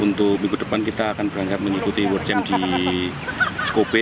untuk minggu depan kita akan berangkat mengikuti world champ di copy